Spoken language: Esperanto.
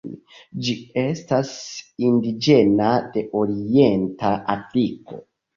Ĝi estas indiĝena de orienta Afriko.